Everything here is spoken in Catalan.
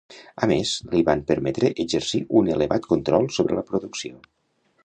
A més, li van permetre exercir un elevat control sobre la producció.